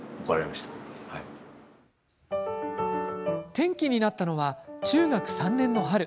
転機になったのは中学３年の春。